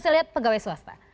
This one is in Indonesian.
saya lihat pegawai swasta